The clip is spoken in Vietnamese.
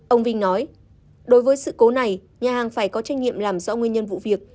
ông vinh nói đối với sự cố này nhà hàng phải có trách nhiệm làm rõ nguyên nhân vụ việc